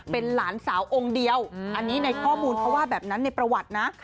เป็นหลานสาวองค์เดียวอันนี้ในข้อมูลเขาว่าแบบนั้นในประวัตินะ